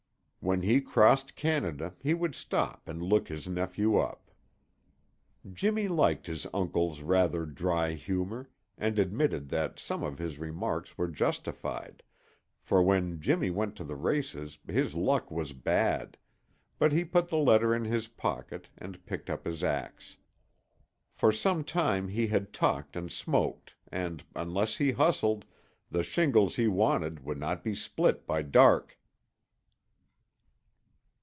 When he crossed Canada, he would stop and look his nephew up. Jimmy liked his uncle's rather dry humor, and admitted that some of his remarks were justified, for when Jimmy went to the races his luck was bad, but he put the letter in his pocket and picked up his ax. For some time he had talked and smoked and, unless he hustled, the shingles he wanted would not be split by dark.